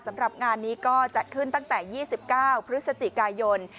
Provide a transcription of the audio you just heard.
สำหรับงานนี้ก็จัดขึ้นตั้งแต่๒๙พฤศจิกายน